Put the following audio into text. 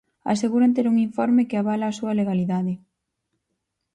Aseguran ter un informe que avala a súa legalidade.